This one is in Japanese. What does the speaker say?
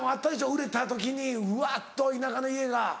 売れた時にわっと田舎の家が。